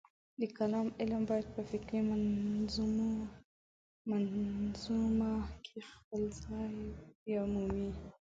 د کلام علم باید په فکري منظومه کې خپل ځای بیامومي.